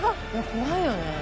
怖いよね。